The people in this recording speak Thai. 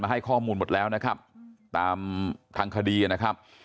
ให้ข้อมูลหมดแล้วนะครับตามทางคดีนะครับ